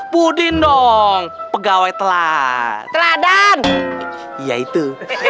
pudin dong pegawai telat telatan yaitu